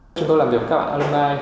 khi chúng tôi làm việc với các bạn alumni